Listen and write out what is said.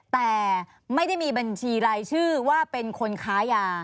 แต่ไม่ได้มีบัญชีรายชื่อว่าเป็นคนค้ายา